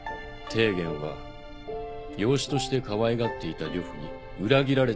丁原は養子としてかわいがっていた呂布に裏切られた人物。